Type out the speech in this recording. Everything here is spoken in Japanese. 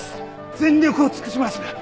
全力を尽くします！